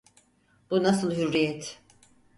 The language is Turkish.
Bu nasıl hürriyet!